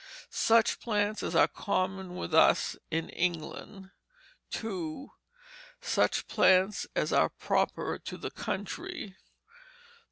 Such plants as are common with us in England. "2. Such plants as are proper to the country.